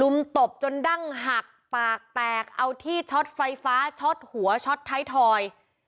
ตบจนดั้งหักปากแตกเอาที่ช็อตไฟฟ้าช็อตหัวช็อตไทยทอย